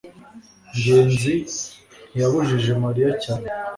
ngenzi ntiyabujije mariya cyane